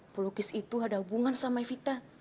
pelukis itu ada hubungan sama vita